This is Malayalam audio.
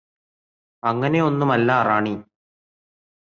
അങ്ങനെയൊന്നുമല്ലാ റാണി